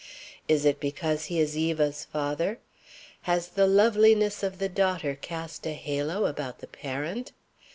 Is it because he is Eva's father? Has the loveliness of the daughter cast a halo about the parent?